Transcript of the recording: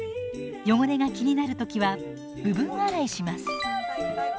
汚れが気になる時は部分洗いします。